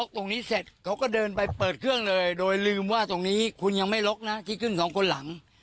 ถ้าเชฟตี้ตรงนี้คุณได้ล็อกอ่ะ